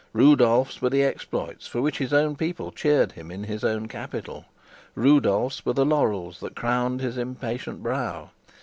Rudolf's were the exploits for which his own people cheered him in his own capital. Rudolf's were the laurels that crowned his impatient brow.